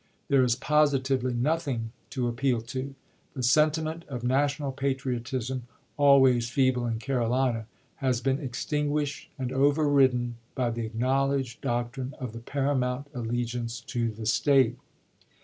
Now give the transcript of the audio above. .. There is positively nothing to appeal to. The sentiment of national patriotism, always feeble in Carolina, has been extinguished and overridden by the acknowledged doctrine of the paramount allegiance to the State.